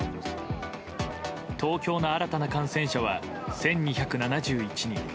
東京の新たな感染者は１２７１人。